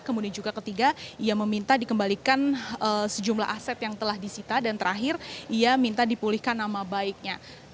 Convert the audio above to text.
kemudian juga ketiga ia meminta dikembalikan sejumlah aset yang telah disita dan terakhir ia minta dipulihkan nama baiknya